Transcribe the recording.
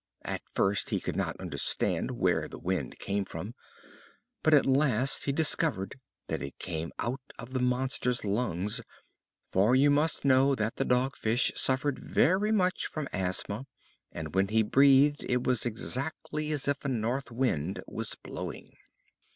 At first he could not understand where the wind came from, but at last he discovered that it came out of the monster's lungs. For you must know that the Dog Fish suffered very much from asthma, and when he breathed it was exactly as if a north wind was blowing.